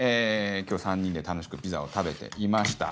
今日３人で楽しくピザを食べていました。